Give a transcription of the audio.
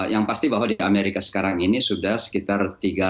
yang pasti bahwa di amerika sekarang ini sudah sekitar tiga ratus tiga puluh enam tujuh ratus